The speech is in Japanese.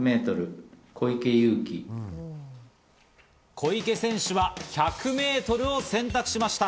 小池選手は１００ｍを選択しました。